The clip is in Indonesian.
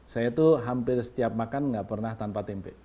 saya tuh hampir setiap makan gak pernah tanpa tempe